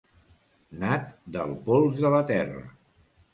Nat del pols de la terra.